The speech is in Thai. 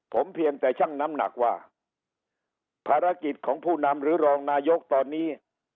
ผมเพียงแต่ช่างน้ำหนักว่าภารกิจของผู้นำหรือรองนายกตอนนี้